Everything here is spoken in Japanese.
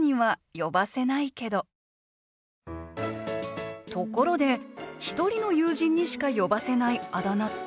ところで１人の友人にしか呼ばせないあだ名って？